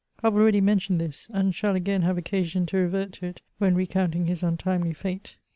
I have already mentioned this, and shall again have occasion to revert to it when recounting his untimely fate.